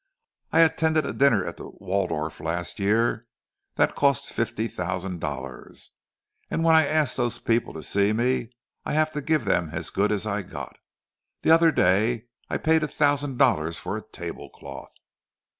I attended a dinner at the Waldorf last year that had cost fifty thousand dollars; and when I ask those people to see me, I have to give them as good as I got. The other day I paid a thousand dollars for a table cloth!"